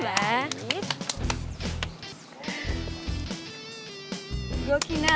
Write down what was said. tidak ada yang bisa dikira